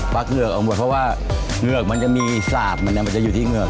เพราะว่ามันจะมีทำโยงคีย์ใต้เงิก